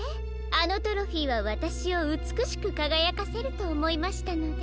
あのトロフィーはわたしをうつくしくかがやかせるとおもいましたので。